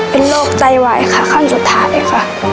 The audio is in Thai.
เป็นโรคใจไหวค่ะขั้นสุดท้ายค่ะ